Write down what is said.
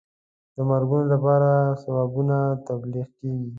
د مرګونو لپاره ثوابونه تبلیغ کېږي.